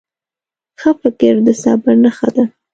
ښه فکر د صبر نښه ده.